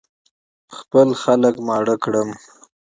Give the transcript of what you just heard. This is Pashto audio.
خپل خلک ماړه کړم.